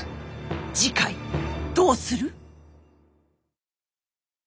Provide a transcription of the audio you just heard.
次回どうする？